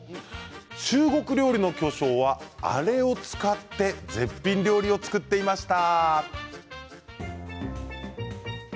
中国料理の巨匠は、あれを使って絶品料理を作っていました。